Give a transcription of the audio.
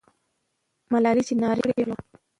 ملالۍ چې ناره یې وکړه، پیغله وه.